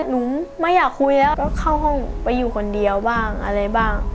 หนูไม่อยากคุยแล้วก็เข้าห้องไปอยู่คนเดียวบ้างอะไรบ้าง